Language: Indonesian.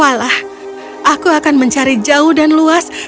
aku akan mencari jauh dan luas